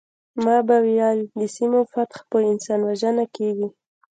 ما به ویل د سیمو فتح په انسان وژنه کیږي